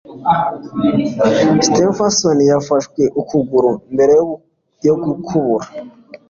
Stephenson yafashwe ukuguru mbere yo gukubura